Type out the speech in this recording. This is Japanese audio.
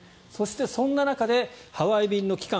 そして、そんな中でハワイ便の期間